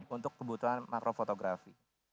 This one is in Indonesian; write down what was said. untuk kebutuhan makro fotografi